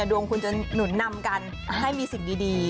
ดวงคุณจะหนุนนำกันให้มีสิ่งดี